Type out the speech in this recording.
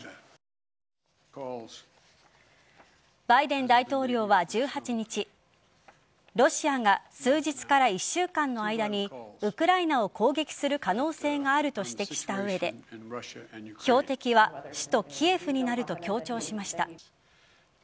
バイデン大統領は１８日ロシアが数日から１週間の間にウクライナを攻撃する可能性があると指摘した上で標的は首都・キエフになると強調しました。